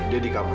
dia di kamar